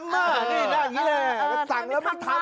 นี่แหละสั่งแล้วไม่ทำ